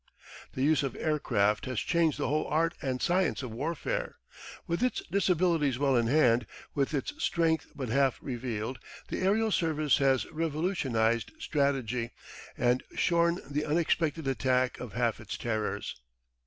The use of aircraft has changed the whole art and science of warfare. With its disabilities well in hand, with its strength but half revealed, the aerial service has revolutionised strategy and shorn the unexpected attack of half its terrors.